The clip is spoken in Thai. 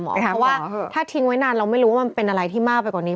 เพราะว่าถ้าทิ้งไว้นานเราไม่รู้ว่ามันเป็นอะไรที่มากไปกว่านี้